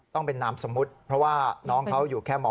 ต้องเป็นนามสมมุติเพราะว่าน้องเขาอยู่แค่ม๔